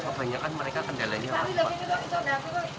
kebanyakan mereka kendalanya apa